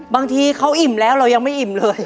บางทีเขาอิ่มแล้วเรายังไม่อิ่มเลย